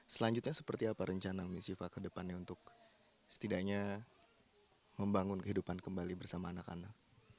selanjutnya seperti apa rencana misiva ke depannya untuk setidaknya membangun kehidupan kembali bersama anak anak